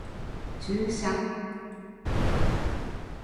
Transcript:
注射